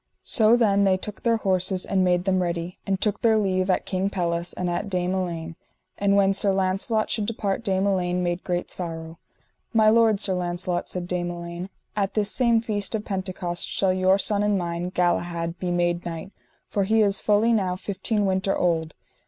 So then they took their horses and made them ready, and took their leave at King Pelles and at Dame Elaine. And when Sir Launcelot should depart Dame Elaine made great sorrow. My lord, Sir Launcelot, said Dame Elaine, at this same feast of Pentecost shall your son and mine, Galahad, be made knight, for he is fully now fifteen winter old.